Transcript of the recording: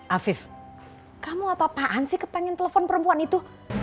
afif kamu apa apaan sih kepanin telepon perempuan itu